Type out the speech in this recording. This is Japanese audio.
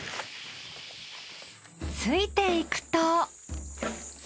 ついていくと。